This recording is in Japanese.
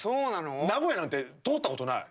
名古屋なんて通ったことない。